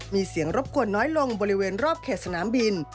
มีเสียงรบกวนน้อยลงบริเวณรอบเขตสนามบิน